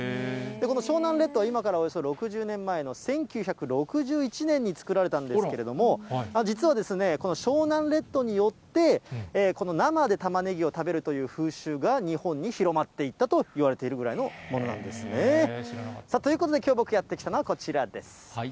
この湘南レッドは今からおよそ６０年前の１９６１年に作られたんですけれども、実は、この湘南レッドによって、この生でたまねぎを食べるという風習が、日本に広まっていったといわれているぐらいのものなんですね。ということで、きょう、僕がやって来たのはこちらです。